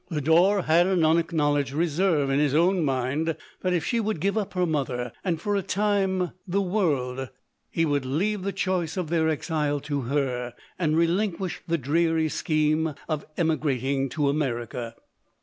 Lodore had an unac knowledged reserve in his own mind, that if she would give up her mother, and for a time the world, he would leave the choice of their exile to her, and relinquish the dreary scheme of emi grating to America.